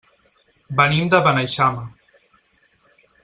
Venim de Beneixama.